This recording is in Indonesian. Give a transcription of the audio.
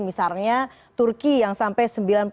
misalnya turki yang sampai sembilan puluh satu